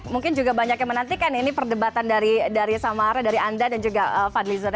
mungkin juga banyak yang menantikan ini perdebatan dari samara dari anda dan juga fadli zon